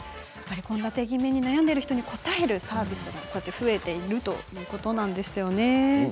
献立ぎめに悩んでいる人に応えるサービスが増えているということなんですよね。